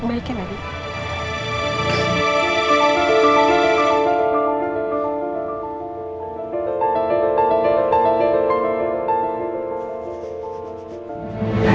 dan balik lagi ke nadif yang kita kenal